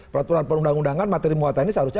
peraturan perundang undangan materi muatan ini seharusnya